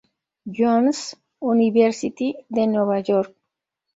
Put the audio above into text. John's University de Nueva York.